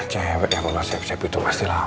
cewek ya kalau siap siap itu pasti lama